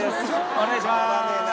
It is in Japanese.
お願いします